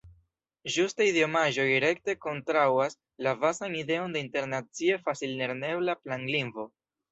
Ĝuste idiomaĵoj rekte kontraŭas la bazan ideon de internacie facil-lernebla planlingvo.